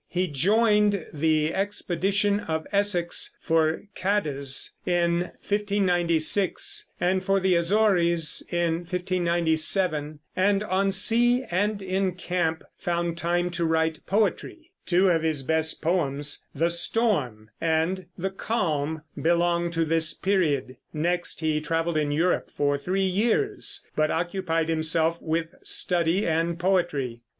He joined the expedition of Essex for Cadiz in 1596, and for the Azores in 1597, and on sea and in camp found time to write poetry. Two of his best poems, "The Storm" and "The Calm," belong to this period. Next he traveled in Europe for three years, but occupied himself with study and poetry.